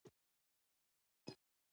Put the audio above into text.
دې ته ریښتینې ملګرتیا وایي .